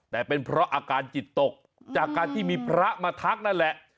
แต่เป็นเพราะอาการจิตตกจากการที่มีพระมาทักนั่นแหละ